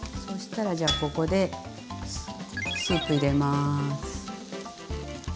そしたらじゃあここでスープ入れます。